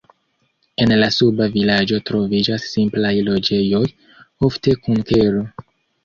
En la "suba vilaĝo" troviĝas simplaj loĝejoj, ofte kun kelo.